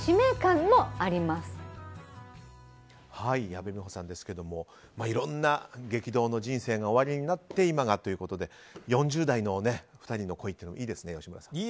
矢部美穂さんですがいろんな激動の人生がおありになって今がということで４０代の２人の恋というのいいですね、吉村さん。